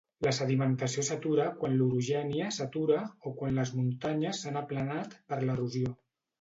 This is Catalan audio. La sedimentació s'atura quan l'orogènia s'atura o quan les muntanyes s'han aplanat per l'erosió.